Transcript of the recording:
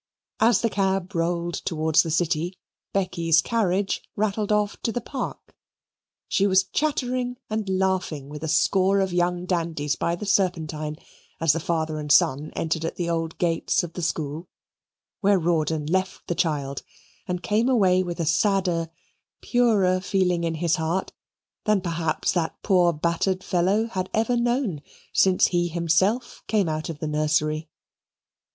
As the cab rolled towards the City, Becky's carriage rattled off to the park. She was chattering and laughing with a score of young dandies by the Serpentine as the father and son entered at the old gates of the school where Rawdon left the child and came away with a sadder purer feeling in his heart than perhaps that poor battered fellow had ever known since he himself came out of the nursery.